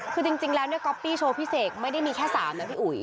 คือจริงแล้วเนี่ยก๊อปปี้โชว์พิเศษไม่ได้มีแค่๓นะพี่อุ๋ย